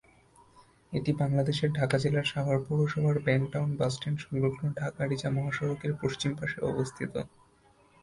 এটি বাংলাদেশের ঢাকা জেলার সাভার পৌরসভায় ব্যাংক টাউন বাসস্ট্যান্ড সংলগ্ন ঢাকা আরিচা মহাসড়কের পশ্চিম পাশে অবস্থিত।